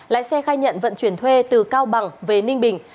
lái xe khai nhận vận chuyển thuê từ cao bằng về ninh bình